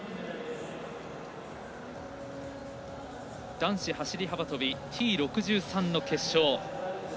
男子走り幅跳びＴ６３の決勝。